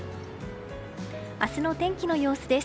明日の天気の様子です。